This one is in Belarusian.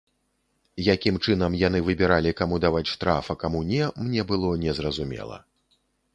Якім чынам яны выбіралі, каму даваць штраф, а каму не, мне было незразумела.